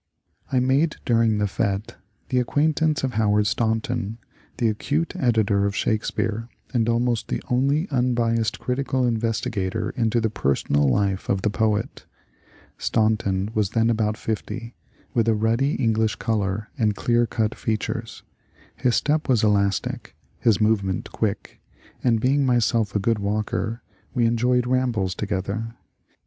I made during the fSte the acquaintance of Howard Staun ton, the acute editor of Shakespeare, and almost the only un biased critical investigator into the personal life of the poet. Staunton was then about fifty, with a ruddy English colour and clear cut features. His step was elastic, his movement quick, and, being myself a good walker, we enjoyed rambles together.